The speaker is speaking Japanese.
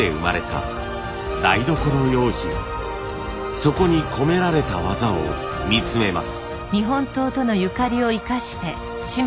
そこに込められた技を見つめます。